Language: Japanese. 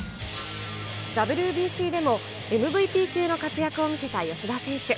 ＷＢＣでもＭＶＰ級の活躍を見せた吉田選手。